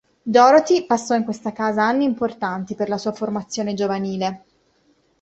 Dorothy passò in questa casa anni importanti per la sua formazione giovanile.